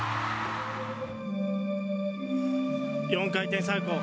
４回転サルコー。